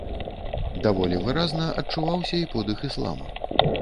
Даволі выразна адчуваўся і подых ісламу.